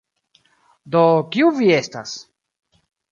Do kiu vi estas?